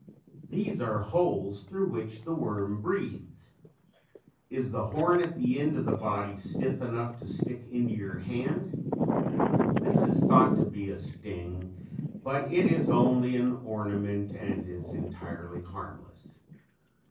These are holes through which the worm breathes. Is the horn at the end of the body stiff enough to stick into your hand? This is thought to be a sting but it is only an ornament and is entirely harmless.